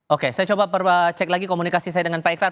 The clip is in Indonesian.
oke saya coba cek lagi komunikasi saya dengan pak ikrar